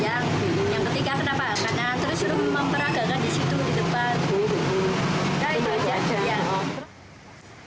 yang ketiga kena pakanan terus suruh memperagakan di situ di depan